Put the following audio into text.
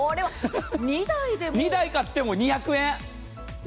２台買っても２００円！